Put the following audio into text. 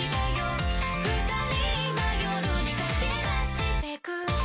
「二人今、夜に駆け出していく」